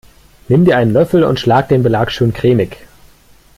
Nimm dir einen Löffel und schlag den Belag schön cremig.